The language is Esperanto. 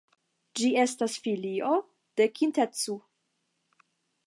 Ĝi estas filio de Kintetsu.